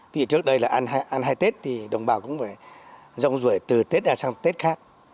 vì trước đây là ăn hai tết thì đồng bào cũng phải rong rủi từ tết ra sang tết khác